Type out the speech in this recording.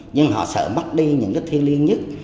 nhưng họ sợ mất đi những cái thiên liên nhất